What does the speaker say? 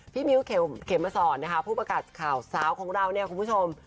พี่มิ้วเข็มมสอนนะค่ะผู้บักร่าชข่าวสาวของเราครับคุณผู้ชม